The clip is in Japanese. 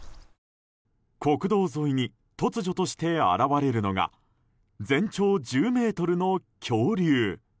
国道沿いに突如として現れるのが全長１０ｍの恐竜。